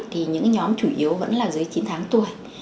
thì những nhóm chủ yếu vẫn là dưới chín tháng tuổi